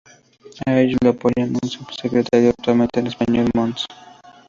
A ellos los apoya un Sub-Secretario, actualmente el español Mons.